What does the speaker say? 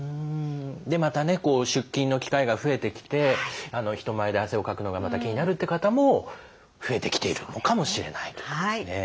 でまたね出勤の機会が増えてきて人前で汗をかくのが気になるという方も増えてきているのかもしれないということですね。